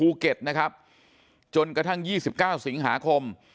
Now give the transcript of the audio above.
อยู่ภูเก็ตนะครับจนกระทั่ง๒๙สีงหาคม